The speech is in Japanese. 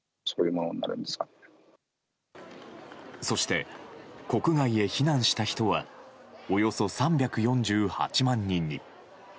そして国外へ避難した人はおよそ３４８万人に。